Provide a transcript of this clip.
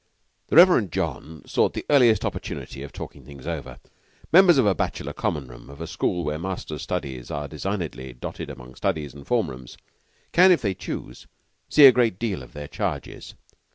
The Reverend John sought the earliest opportunity of talking things over. Members of a bachelor Common room, of a school where masters' studies are designedly dotted among studies and form rooms, can, if they choose, see a great deal of their charges.